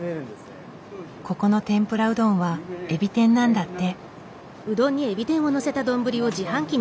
ここの天ぷらうどんはエビ天なんだって。